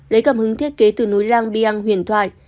lấy cầm hứng thiết kế từ núi lang biang huyền thoại